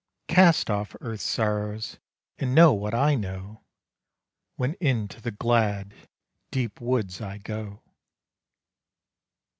Cast off earth's sorrows and know what I know, When into the glad, deep woods I go.